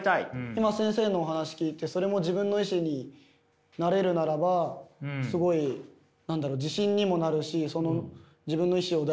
今先生のお話聞いてそれも自分の意志になれるならばすごい何だろう？